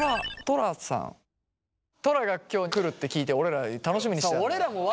トラが今日来るって聞いて俺ら楽しみにしてたんだよ。